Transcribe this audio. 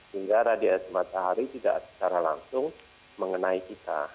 sehingga radius matahari tidak secara langsung mengenai kita